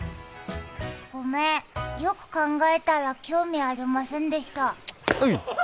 ごめん、よく考えたら興味ありませんでした。